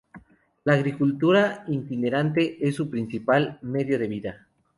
La agricultura itinerante es su principal medio de vida.